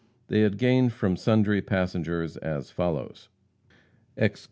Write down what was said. They had gained from sundry passengers as follows: Ex Gov.